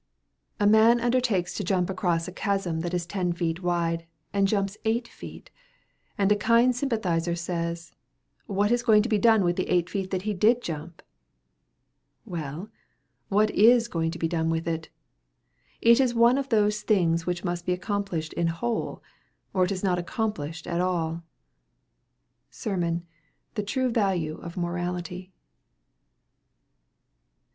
A man undertakes to jump across a chasm that is ten feet wide, and jumps eight feet; and a kind sympathizer says, "What is going to be done with the eight feet that he did jump?" Well, what is going to be done with it? It is one of those things which must be accomplished in whole, or it is not accomplished at all. SERMON: 'The True Value of Morality.'